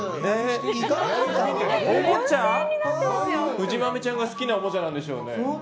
藤豆ちゃんが好きなおもちゃなんでしょうね。